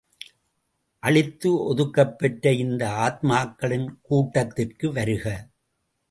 அழித்து ஒதுக்கப் பெற்ற இந்த ஆத்மாக்களின் கூட்டத்திற்கு வருக!